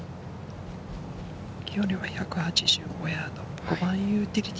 距離は１８５ヤード。